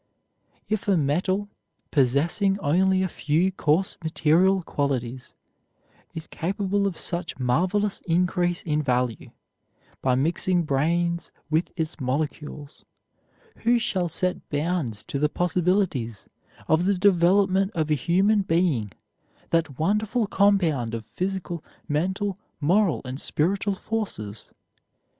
If a metal possessing only a few coarse material qualities is capable of such marvelous increase in value, by mixing brains with its molecules, who shall set bounds to the possibilities of the development of a human being, that wonderful compound of physical, mental, moral, and spiritual forces?